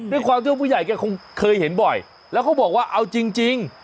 ด้วยความที่ว่าผู้ใหญ่แกคงเคยเห็นบ่อยแล้วเขาบอกว่าเอาจริง